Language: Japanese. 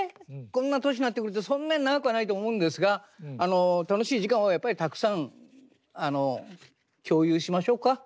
こんな年になってくるとそんなに長くはないと思うんですがあの楽しい時間はやっぱりたくさん共有しましょうか。